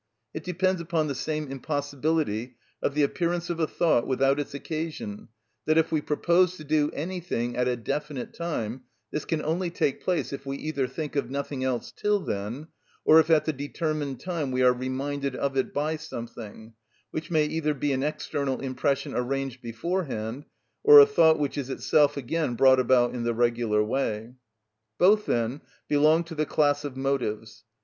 It depends upon the same impossibility of the appearance of a thought without its occasion that if we propose to do anything at a definite time, this can only take place if we either think of nothing else till then, or if at the determined time we are reminded of it by something, which may either be an external impression arranged beforehand or a thought which is itself again brought about in the regular way. Both, then, belong to the class of motives.